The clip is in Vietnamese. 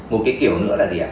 một cái kiểu nữa là gì ạ